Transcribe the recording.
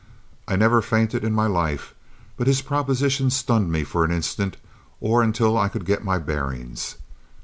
I never fainted in my life, but his proposition stunned me for an instant, or until I could get my bearings.